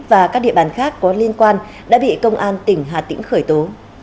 và các địa bàn khác có liên quan đã bị công an tỉnh hà tĩnh khởi tố